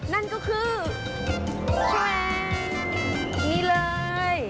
นั่นก็คือนี่เลย